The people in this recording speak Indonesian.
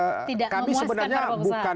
yang tidak memuaskan para pengusaha